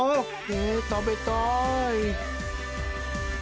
え食べたい。